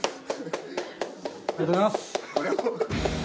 ありがとうございます。